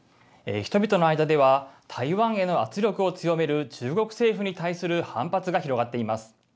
人々の間では台湾への圧力を強める中国政府に対する反発が広がっています。